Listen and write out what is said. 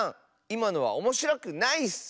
いまのはおもしろくないッス。